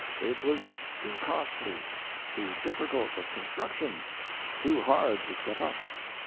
It was too costly; too difficult of construction; too hard to set up.